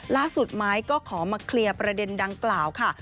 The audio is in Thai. ไม้ก็ขอมาเคลียร์ประเด็นดังกล่าวค่ะ